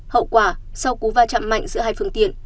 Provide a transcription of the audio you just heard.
hậu quả sau cú va chạm mạnh giữa hai phương tiện